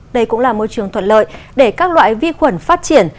đây cũng là môi trường thuận lợi để các loại vi khuẩn phát triển